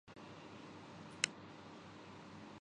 ستمبر میں ملکی برمدات فیصد بڑھ گئیں